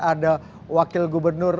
ada wakil gubernur